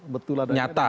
betul ada nyata